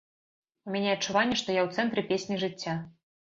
У мяне адчуванне, што я ў цэнтры песні жыцця.